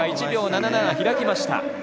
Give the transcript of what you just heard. １秒７７開きました。